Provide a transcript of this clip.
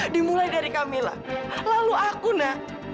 dimulai dari kamila lalu aku na